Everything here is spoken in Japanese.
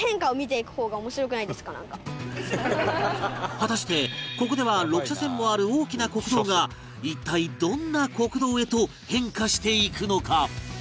果たしてここでは６車線もある大きな国道が一体どんな酷道へと変化していくのか？